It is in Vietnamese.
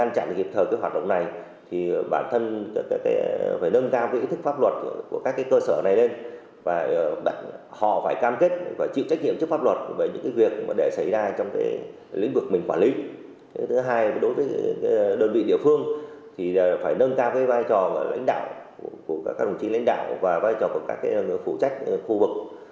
thứ hai đối với đơn vị địa phương thì phải nâng cao vai trò của các đồng chí lãnh đạo và vai trò của các phụ trách khu vực